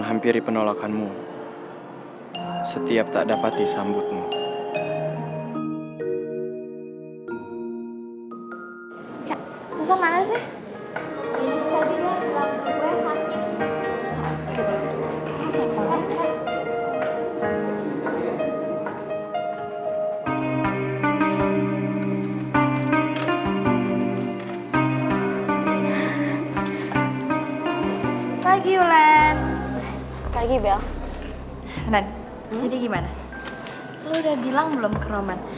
gue pengen ngasih tau sama orang orang